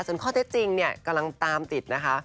ส่วนข้อเท็จจริงเนี่ยกำลังตามติดนะคะ